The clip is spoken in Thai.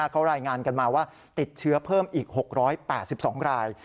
เขารายงานกันมาว่าติดเชื้อเพิ่มอีก๖๘๒ราย